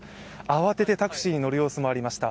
慌ててタクシーに乗る様子もありました。